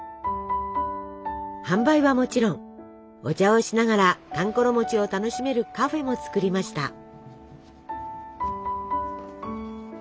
販売はもちろんお茶をしながらかんころ餅を楽しめるカフェも作りました。